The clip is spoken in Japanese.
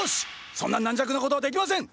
そんな軟弱なことはできません！